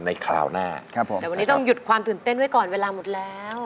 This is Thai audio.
คราวหน้าครับผมแต่วันนี้ต้องหยุดความตื่นเต้นไว้ก่อนเวลาหมดแล้ว